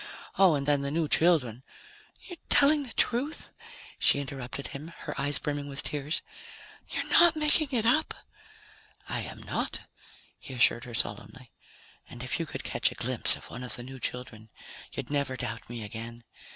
Oh, and then the new children " "You're telling the truth?" she interrupted him, her eyes brimming with tears. "You're not making it up?" "I am not," he assured her solemnly. "And if you could catch a glimpse of one of the new children, you'd never doubt me again.